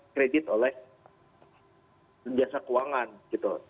kredit oleh jasa keuangan gitu